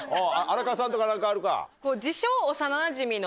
荒川さんとか何かあるか？